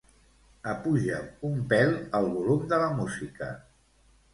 Apuja'm un pèl el volum de la música.